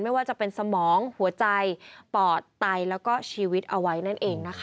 ไม่ว่าจะเป็นสมองหัวใจปอดไตแล้วก็ชีวิตเอาไว้นั่นเองนะคะ